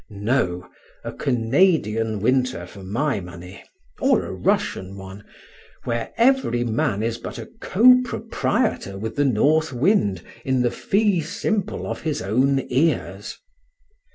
No, a Canadian winter for my money, or a Russian one, where every man is but a co proprietor with the north wind in the fee simple of his own ears.